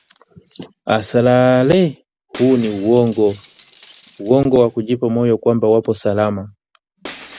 Asalale! Huu ni uongo! Uongo wa kujipa moyo kwamba wapo salama